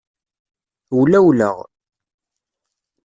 Wlawleɣ.